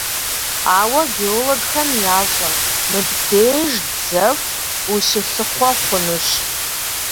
Ауэ геологхэм ящӀэ: мыбдеж дзэху ущылъыхъуэ хъунущ.